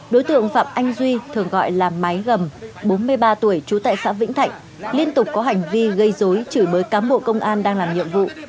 đối tượng phạm anh duy thường gọi là máy gầm bốn mươi ba tuổi trú tại xã vĩnh thạnh liên tục có hành vi gây dối chửi bới cám bộ công an đang làm nhiệm vụ